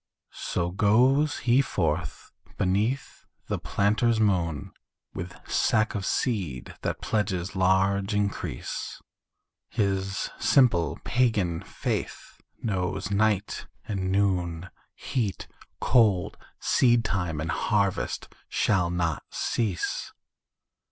So goes he forth beneath the planter's moon With sack of seed that pledges large increase, His simple pagan faith knows night and noon, Heat, cold, seedtime and harvest shall not cease.